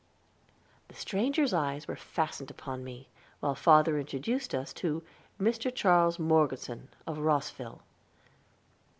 The stranger's eyes were fastened upon me, while father introduced us to "Mr. Charles Morgeson, of Rosville."